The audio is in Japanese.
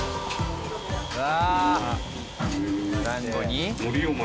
うわ！